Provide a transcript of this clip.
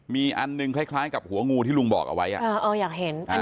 มีอันหนึ่งคล้ายกับหัวงูที่ลุงบอกเอาไว้อยากเห็น